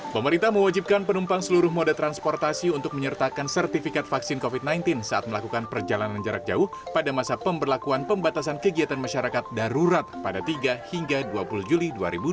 pemerintah mewajibkan penumpang seluruh moda transportasi untuk menyertakan sertifikat vaksin covid sembilan belas saat melakukan perjalanan jarak jauh pada masa pemberlakuan pembatasan kegiatan masyarakat darurat pada tiga hingga dua puluh juli dua ribu dua puluh